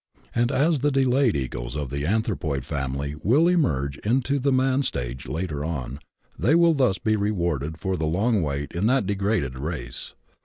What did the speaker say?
And as the delayed Egos of the Anthropoid family will emerge into the man stage later on, they will thus be rewarded for the long wait in that de graded race.